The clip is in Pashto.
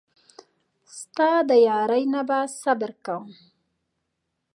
ستا د یارۍ نه به صبر کوم.